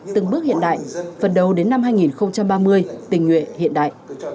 từng bước hiện đại phần đầu đến năm hai nghìn ba mươi tình nguyện hiện đại